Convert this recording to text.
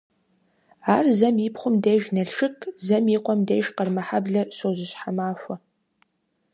Ар зэм и пхъум деж Налшык, зэм и къуэм деж Къармэхьэблэ щожьыщхьэ махуэ.